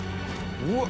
うわっ！